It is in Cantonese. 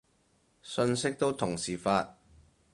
信息都同時發